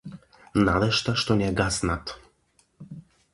Надежта што ни ја гнасат.